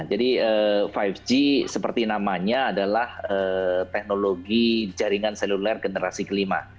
jadi lima g seperti namanya adalah teknologi jaringan seluler generasi kelima